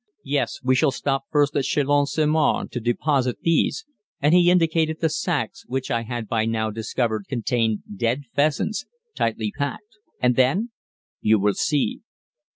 "Yes. We shall stop first at Chalons sur Marne, to deposit these," and he indicated the sacks, which I had by now discovered contained dead pheasants, tightly packed. "And then?" "You will see."